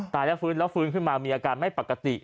แล้วฟื้นแล้วฟื้นขึ้นมามีอาการไม่ปกติ